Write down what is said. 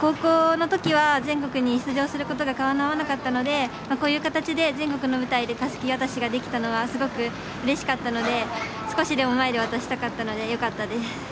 高校のときは全国に出場することがかなわなかったのでこういう形で全国の舞台でたすき渡しができたのはすごくうれしかったので少しでも前で渡したかったのでよかったです。